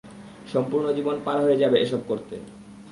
সম্পূর্ণ জীবন পার হয়ে যাবে এসব করতে।